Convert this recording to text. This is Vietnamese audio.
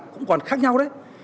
cũng còn khác nhau đấy